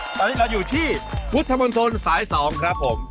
ตอนนี้เราอยู่ที่พุทธมนตรสาย๒ครับผม